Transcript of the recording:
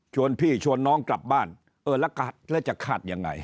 พี่ชวนน้องกลับบ้านเออแล้วจะคาดยังไง